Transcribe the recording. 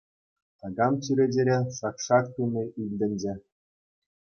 Такам чӳречерен шак-шак туни илтӗнчӗ.